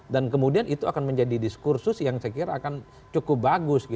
dan kemudian itu akan menjadi diskursus yang saya kira akan cukup bagus